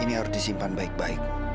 ini harus disimpan baik baik